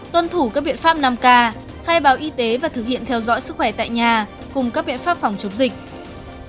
tuân thủ các biện pháp năm k khai báo y tế và thực hiện theo dõi sức khỏe tại nhà cùng các biện pháp phòng chống dịch